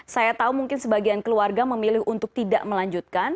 saya tahu mungkin sebagian keluarga memilih untuk tidak melanjutkan